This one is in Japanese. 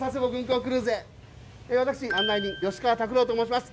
私案内人吉川拓朗と申します。